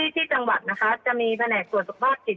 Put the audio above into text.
ที่จังหวัดนะคะจะมีแผนกตรวจสุขภาพจิต